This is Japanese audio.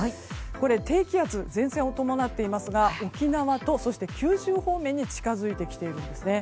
低気圧、前線を伴っていますが沖縄と九州方面に近づいてきているんですね。